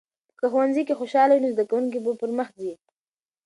که ښوونځي کې خوشالي وي، نو زده کوونکي به پرمخ ځي.